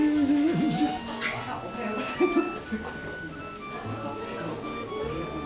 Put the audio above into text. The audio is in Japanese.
おはようございます。